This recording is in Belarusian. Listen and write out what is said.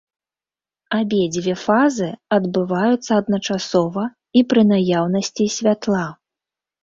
Абедзве фазы адбываюцца адначасова і пры наяўнасці святла.